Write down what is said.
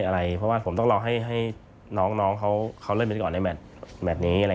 เพราะว่าผมต้องรอให้น้องเขาเล่นพิธีกรในแมทนี้